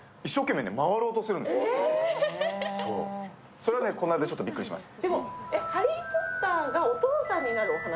それはね、この間ちょっとびっくりしました。